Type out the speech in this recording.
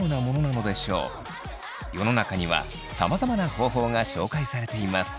世の中にはさまざまな方法が紹介されています。